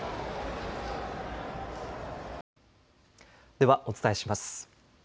では、お伝えします。